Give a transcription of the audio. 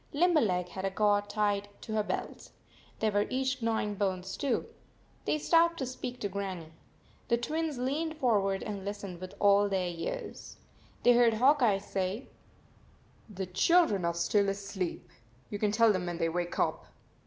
Limberleg had a gourd tied to her belt. They were each gnawing bones, too. They stopped to speak to Grannie. The Twins leaned forward and listened with all their ears. They heard Hawk Eye say, "The children are still asleep. You can tell them when they wake up."